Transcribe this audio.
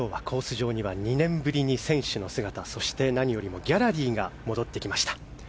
上には２年ぶりに選手の姿そして何よりもギャラリーが戻ってきました。